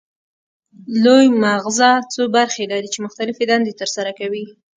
لوی مغزه څو برخې لري چې مختلفې دندې ترسره کوي